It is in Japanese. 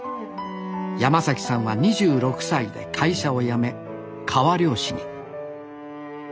山さんは２６歳で会社を辞め川漁師に。